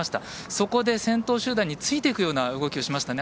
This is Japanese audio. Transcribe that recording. そこで、先頭集団についていくような動きをしましたね。